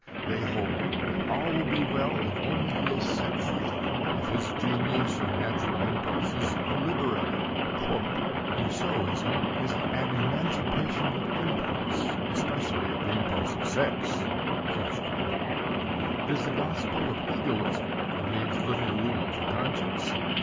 They hold that all will be well if only he is set free if his genius or natural impulses are liberated. "Rousseauism is ... an emancipation of impulse especially of the impulse of sex." It is a gospel of egoism and leaves little room for conscience.